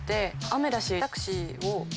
雨だし。